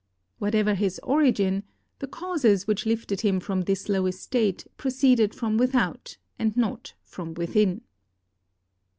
Whatever his origin, the causes which lifted him from this low estate i)roceeded from without and not from within.